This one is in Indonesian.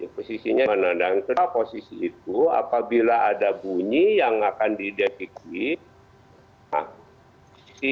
posisinya menandang ke posisi itu apabila ada bunyi yang akan didefiki